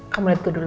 kamu let go dulu